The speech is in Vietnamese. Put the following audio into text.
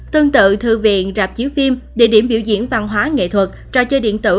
tương tự thư viện rạp chiếu phim địa điểm biểu diễn văn hóa nghệ thuật trò chơi điện tử